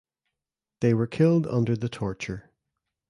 They were killed under the torture.